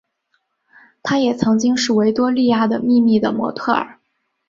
她也曾经是维多利亚的秘密的模特儿。